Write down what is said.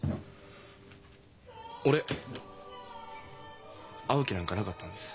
俺会う気なんかなかったんです。